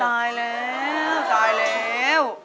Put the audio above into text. ตายแล้วตายแล้ว